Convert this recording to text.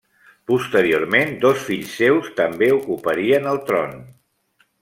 Posteriorment dos fills seus també ocuparien el tron.